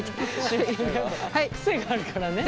癖があるからね。